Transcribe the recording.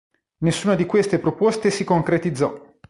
Nessuna di queste proposte si concretizzò.